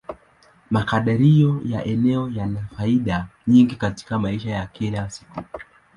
Makadirio ya eneo yana faida nyingi katika maisha ya kila siku.